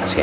terima kasih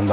mbak